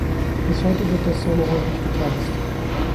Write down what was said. Bis heute wird das Solo häufig getanzt.